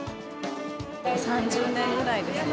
３０年ぐらいですね。